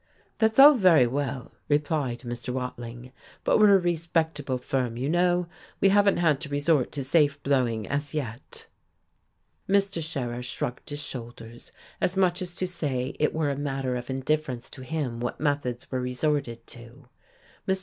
"That's all very well," replied Mr. Watling. "But we're a respectable firm, you know. We haven't had to resort to safe blowing, as yet." Mr. Scherer shrugged his shoulders, as much as to say it were a matter of indifference to him what methods were resorted to. Mr.